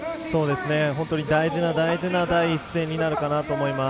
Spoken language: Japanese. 大事な大事な第１戦になるかと思います。